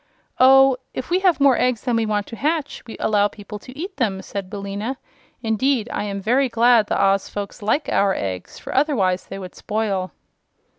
"Oh, if we have more eggs than we want to hatch, we allow people to eat them," said Billina. "Indeed, I am very glad the Oz folks like our eggs, for otherwise they would spoil."